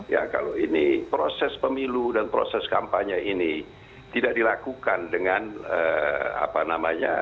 ya kalau ini proses pemilu dan proses kampanye ini tidak dilakukan dengan apa namanya